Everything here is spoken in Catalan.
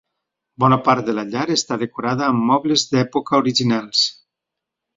Bona part de la llar està decorada amb mobles d'època originals.